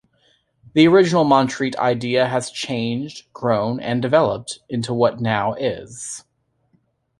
The original Montreat idea has changed, grown and developed into what now is.